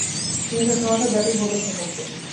তিনি তার সহজাত ব্যাটিং প্রদর্শন করতেন।